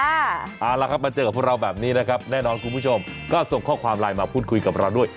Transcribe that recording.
เอาละครับมาเจอกับพวกเราแบบนี้นะครับแน่นอนคุณผู้ชมก็ส่งข้อความไลน์มาพูดคุยกับเราด้วย